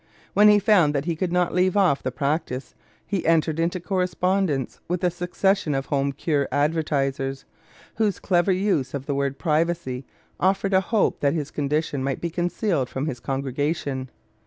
When he found that he could not leave off the practice he entered into correspondence with a succession of "home cure" advertisers, whose clever use of the word "privacy" offered a hope that his condition might be concealed from his congregation.